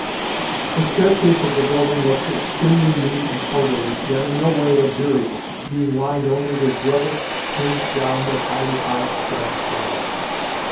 The staircase of the building looked extremely neat and orderly, yet in no way luxurious being lined only with drugget pinned down with highly polished brass rods.